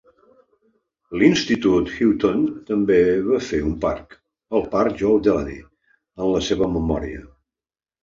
L'institut Haughton també va fer un parc, el parc Joe Delaney, en la seva memòria.